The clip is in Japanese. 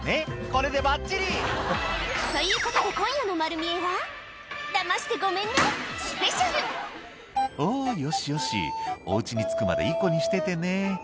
これでばっちり！ということで今夜の『まる見え！』は「おぉよしよしお家に着くまでいい子にしててね」